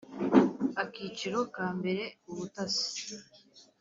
akiciro ka mbere ubutasi